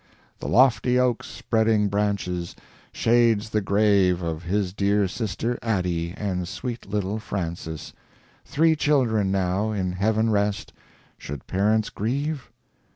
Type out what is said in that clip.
The lofty oaks spreading branches Shades the grave of his dear sister Addie and sweet little Frances, Three children now in Heaven rest, Should parents grieve?